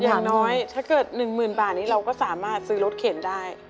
อย่างน้อยถ้าเกิด๑๐๐๐บาทนี้เราก็สามารถซื้อรถเข็นได้